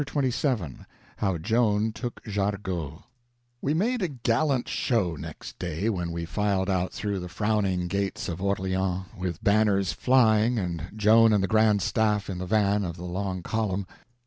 Chapter 27 How Joan Took Jargeau WE MADE a gallant show next day when we filed out through the frowning gates of Orleans, with banners flying and Joan and the Grand Staff in the van of the long column.